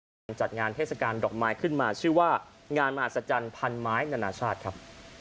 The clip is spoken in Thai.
การจัดงานเทศกาลดอกไม้ขึ้นมาชื่อว่างานมหัศจรรย์พันไม้นานาชาติครับ